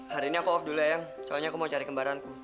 hari ini aku off dulu ya soalnya aku mau cari kembaranku